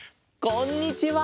こんにちは。